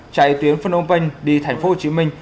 chạy tuyến phnom penh đi thành phố hồ chí minh